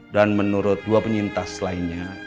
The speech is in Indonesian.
dan menurut dua penyintas lainnya